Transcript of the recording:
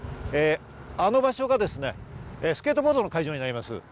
あの場所がスケートボードの会場になります。